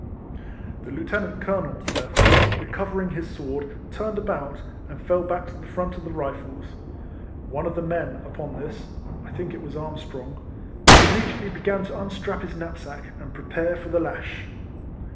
The lieutenant colonel, therefore, recover ing his sword, turned about, and full back to the front of the Rifles. One of the men, upon this (I think it was Armstrong), im mediately began to unstrap his knapsack, and prepare for the lash.